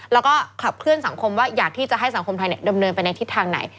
แล้วก็ขับเคลื่อนสังคมว่าอยากที่จะให้สังคมไทยดำเนินไปในทิศทางไหน